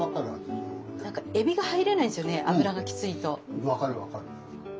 うん分かる分かる。